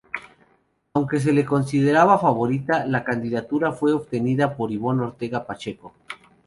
Aunque se le consideraba favorita, la candidatura fue obtenida por Ivonne Ortega Pacheco.